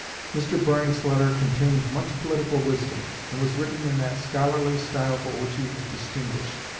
Mr. Bryant's letter contained much political wisdom, and was written in that scholarly style for which he was distinguished.